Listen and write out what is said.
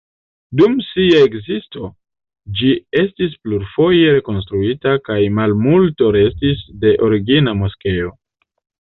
Dum sia ekzisto ĝi estis plurfoje rekonstruita, kaj malmulto restis de origina moskeo.